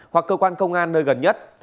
hoặc cơ quan công an nơi gần nhất